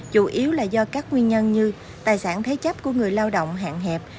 chủ yếu là do các nguyên nhân như tài sản thế chấp của người lao động hạn hẹp